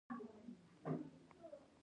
آیا احتکار حرام دی؟